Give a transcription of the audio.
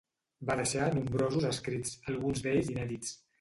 Va deixar nombrosos escrits, alguns d'ells inèdits.